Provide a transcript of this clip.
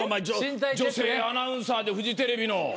女性アナウンサーでフジテレビの。